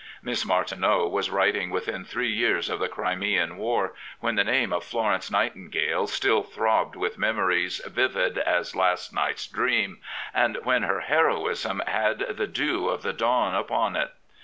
Miss Martineau was writing within three years of the Crimean war, when the name of Florence Nightingale still throbbed with memories vivid as last night's dream, and when her heroism had the dew of the dawn upon it.